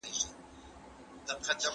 زه نشم کولی چې د خپلې مور هره غوښتنه رد کړم.